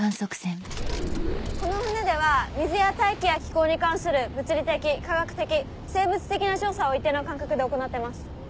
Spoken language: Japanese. この船では水や大気や気候に関する物理的化学的生物的な調査を一定の間隔で行ってます。